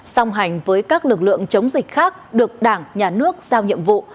song hành với các lực lượng chống dịch khác được đảng nhà nước giao nhiệm vụ